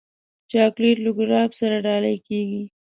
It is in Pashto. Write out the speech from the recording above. چاکلېټ له ګلاب سره ډالۍ کېږي.